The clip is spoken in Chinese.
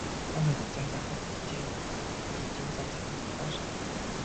欧美的家家户户皆有地精造型的装饰品。